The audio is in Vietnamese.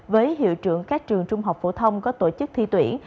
với hiệu trưởng các trường trung học phổ thông có tổ chức thi tuyển